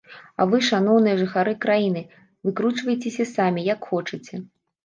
А вы, шаноўныя жыхары краіны, выкручвайцеся самі, як хочаце.